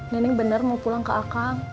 nining bener mau pulang ke akang